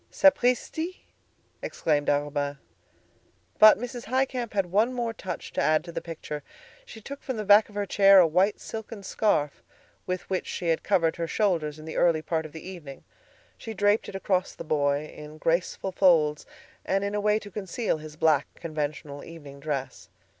"Sapristi!" exclaimed Arobin. But Mrs. Highcamp had one more touch to add to the picture. She took from the back of her chair a white silken scarf, with which she had covered her shoulders in the early part of the evening. She draped it across the boy in graceful folds, and in a way to conceal his black, conventional evening dress.